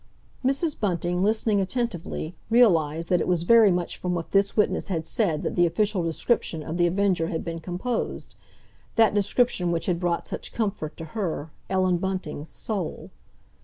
Mrs. Bunting, listening attentively, realised that it was very much from what this witness had said that the official description of The Avenger had been composed—that description which had brought such comfort to her, Ellen Bunting's, soul.